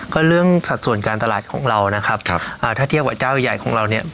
ก็เรื่องสัดส่วนการตลาดของเรานะครับอ่าถ้าเทียบกับเจ้าใหญ่ของเราเนี่ย